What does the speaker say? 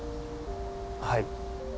はい。